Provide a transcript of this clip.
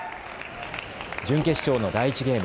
準決勝の第１ゲーム。